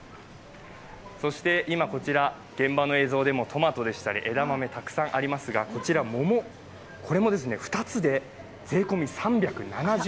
そして、今こちら現場の映像でもトマトでしたり、枝豆、たくさんありますが、こちら桃も２０で税込み３７０円。